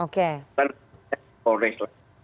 karena itu adalah sebuah koreks